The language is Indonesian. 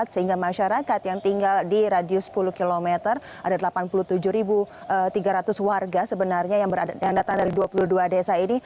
sehingga masyarakat yang tinggal di radius sepuluh km ada delapan puluh tujuh tiga ratus warga sebenarnya yang datang dari dua puluh dua desa ini